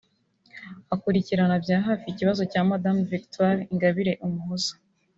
Akurikiranira bya hafi ikibazo cya Madame Victoire Ingabire Umuhoza